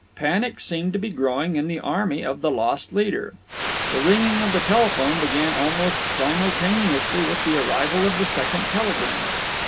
Panic seemed to be growing in the army of the lost leader. The ringing of the telephone began almost simultaneously with the arrival of the second telegram.